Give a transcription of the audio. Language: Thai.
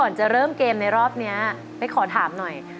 จะเริ่มเกมในรอบนี้เป๊กขอถามหน่อย